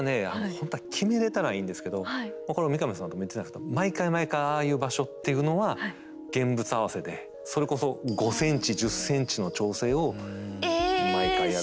ほんとは決めれたらいいんですけどこれ三上さんも言ってたんですけど毎回毎回ああいう場所っていうのは現物合わせでそれこそ５ｃｍ１０ｃｍの調整を毎回やる。